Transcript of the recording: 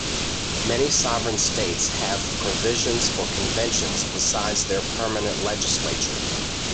Many sovereign states have provisions for conventions besides their permanent legislature.